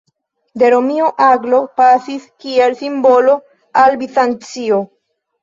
De Romio aglo pasis kiel simbolo al Bizancio.